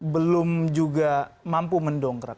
belum juga mampu mendongkrak